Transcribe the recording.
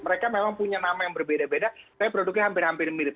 mereka memang punya nama yang berbeda beda tapi produknya hampir hampir mirip